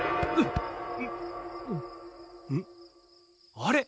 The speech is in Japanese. あれ？